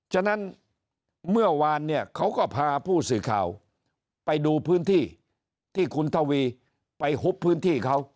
ฉะนั้นเมื่อวานเนี่ยเขาก็พาผู้สื่อข่าวไปดูพื้นที่ที่คุณทวีไปหุบพื้นที่เขา